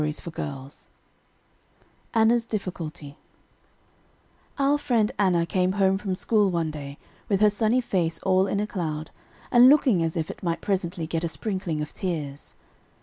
ANNA'S DIFFICULTY Our friend Anna came home from school one day with her sunny face all in a cloud, and looking as if it might presently get a sprinkling of tears.